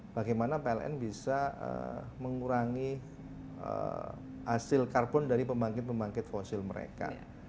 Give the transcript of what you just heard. bagaimana pln bisa mengurangi hasil karbon dari pembangkit pembangkit fosil mereka